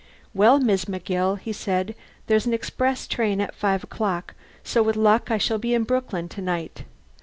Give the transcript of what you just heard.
"Well, Miss McGill," he said, "there's an express train at five o'clock, so with luck I shall be in Brooklyn to night.